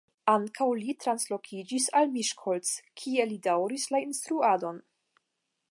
Ankaŭ li translokiĝis al Miskolc, kie li daŭris la instruadon.